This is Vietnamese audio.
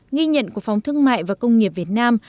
nghi nhận của phòng thương mại và công nghiệp việt nam